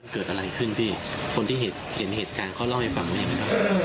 เกิดอะไรขึ้นพี่คนที่เห็นเหตุการณ์เขาเล่าให้ฟังไหมครับ